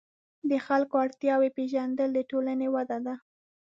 د خلکو اړتیاوې پېژندل د ټولنې وده ده.